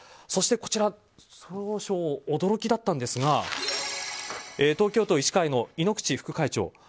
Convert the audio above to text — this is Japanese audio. そしてこちら少々驚きだったんですが東京都医師会の猪口副会長。